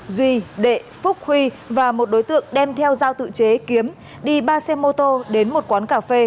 duy đệ phúc huy và một đối tượng đem theo giao tự chế kiếm đi ba xe mô tô đến một quán cà phê